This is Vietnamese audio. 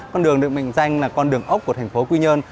con đường được mệnh danh là con đường ốc của thành phố quy nhơn